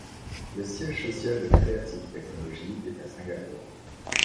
Le siège social de Creative Technology est à Singapour.